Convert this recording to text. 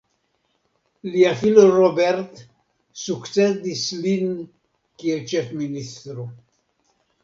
Lia filo Robert sukcedis lin kiel ĉef-ministro.